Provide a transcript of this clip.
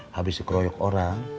habis dikeroyok orang